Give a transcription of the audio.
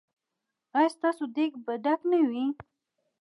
ایا ستاسو دیګ به ډک نه وي؟